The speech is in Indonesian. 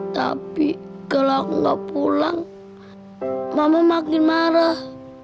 tapi kalau aku gak pulang mama makin marah